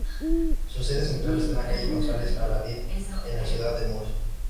Su sede central está en la calle González Adalid en la ciudad de Murcia.